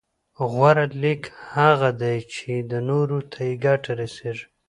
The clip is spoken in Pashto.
غوره خلک هغه دي چي نورو ته يې ګټه رسېږي